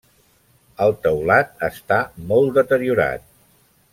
El teulat està molt deteriorat.